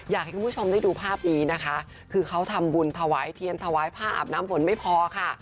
อยากให้คุณผู้ชมได้ดูภาพนี้นะคะคือเขาทำบุญถวายเทียนถวายผ้าอาบน้ำฝนไม่พอค่ะ